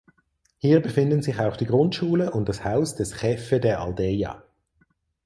Hier befinden sich auch die Grundschule und das Haus des "Chefe de Aldeia".